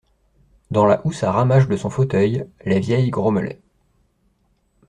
Dans la housse à ramages de son fauteuil, la vieille grommelait.